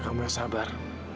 kamu yang sabar